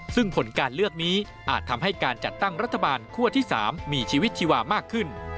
ซึ่งผลการเลือกนี้อาจทำให้การจัดตั้งรัฐบาลคั่วที่๓มีชีวิตชีวามากขึ้น